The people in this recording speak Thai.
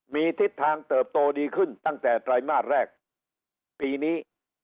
มีทิศทางเติบโตดีขึ้นตั้งแต่ไตรมาสแรกปีนี้